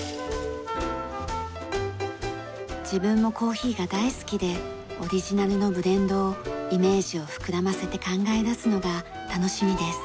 自分もコーヒーが大好きでオリジナルのブレンドをイメージを膨らませて考え出すのが楽しみです。